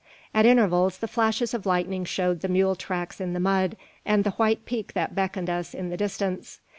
At intervals the flashes of lightning showed the mule tracks in the mud, and the white peak that beckoned us in the distance.